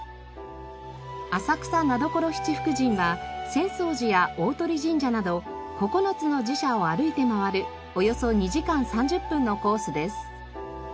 浅草名所七福神は浅草寺や鷲神社など９つの寺社を歩いて回るおよそ２時間３０分のコースです。